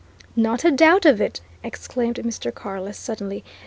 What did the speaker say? "Not a doubt of it!" exclaimed Mr. Carless suddenly.